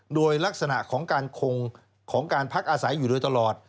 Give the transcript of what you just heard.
โดยลักษณะของการคงของการพักอาศัยอยู่โดยตลอด